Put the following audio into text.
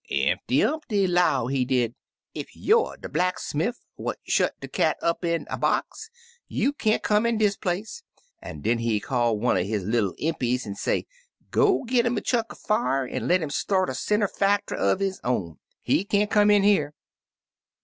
Impty Umpty 'low, he did, ' Ef youer dat blacksmiff what shet de cat up in a box, you can't come in dis place,' an' den he call one er his little Impties, an' say, *Go git 'im a chunk er fier an' let 'im start a sinner fact'ry er his own. He can't come in here.'